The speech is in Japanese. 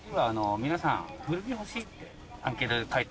皆さん。